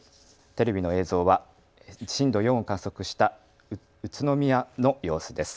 テレビの映像は震度４を観測した宇都宮の様子です。